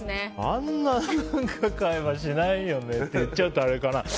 あんな会話しないよねって言っちゃうとあれかな。